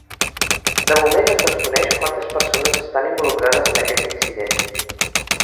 De moment es desconeix quantes persones estan involucrades en aquest incident.